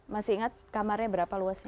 masih ingat kamarnya berapa luasnya